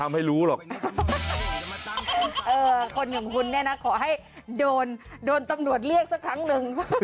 ขอให้โดนตำรวจเรียกสักครั้งนึง